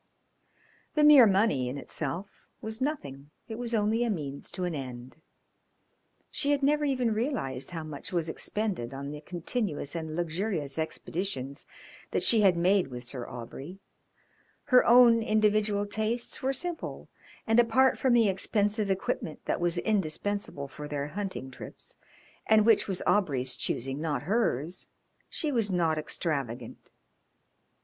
The mere money in itself was nothing; it was only a means to an end. She had never even realised how much was expended on the continuous and luxurious expeditions that she had made with Sir Aubrey; her own individual tastes were simple, and apart from the expensive equipment that was indispensable for their hunting trips, and which was Aubrey's choosing, not hers, she was not extravagant.